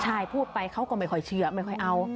ใช่พูดไปเขาก็ไม่ค่อยเชื่อไม่ค่อยเอา